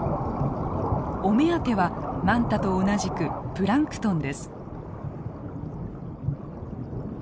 お目当てはマンタと同じくプランクトンです。